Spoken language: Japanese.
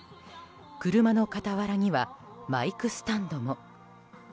車の傍らにはマイクスタンドも。